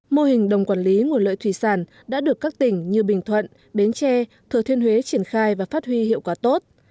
mô hình đồng quản lý nguồn lợi thủy sản đã được các tỉnh như bình thuận bến tre thừa thiên huế triển khai và phát huy hiệu quả tốt